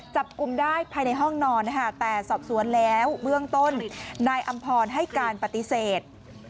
จับกลุ่มได้ภายในห้องนอนนะคะแต่สอบสวนแล้วเบื้องต้นนายอำพรให้การปฏิเสธ